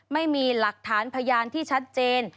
ไม่มีหลักฐานพยานที่ชัดเจน